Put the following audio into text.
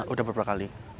udah beberapa kali